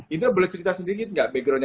indah boleh cerita sedikit nggak backgroundnya